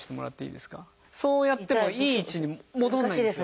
そうやってもいい位置に戻んないんですよ。